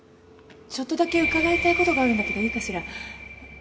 ちょっとだけ伺いたい事があるんだけどいいかしら？